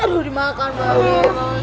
aduh dimakan banget